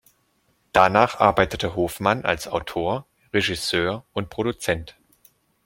Danach arbeitete Hofmann als Autor, Regisseur und Produzent.